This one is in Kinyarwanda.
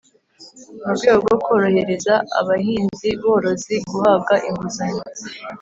Mu rwego rwo korohereza abahinziborozi guhabwa inguzanyo